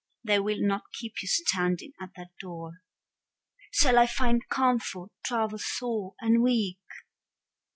They will not keep you standing at that door. Shall I find comfort, travel sore and weak?